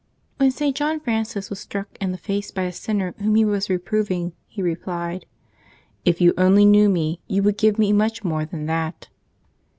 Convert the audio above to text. — When St. John Francis was struck in the face by a sinner whom he was reproving, he replied, " If yon only knew me, yon wonld give me much more than that."